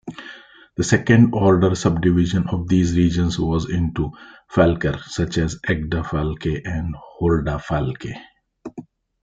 The second-order subdivision of these regions was into "fylker", such as "Egdafylke" and "Hordafylke".